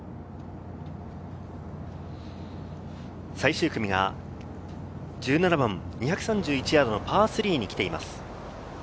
最終組が１７番、２３１ヤードのパー３に来ています。